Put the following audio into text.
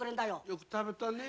よく食べたね。